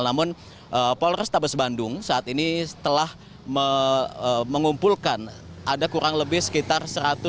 namun polres tabas bandung saat ini telah mengumpulkan ada kurang lebih sekitar satu ratus lima puluh